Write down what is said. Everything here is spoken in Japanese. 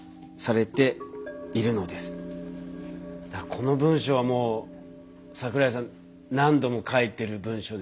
この文章はもう桜井さん何度も書いてる文章ですよね。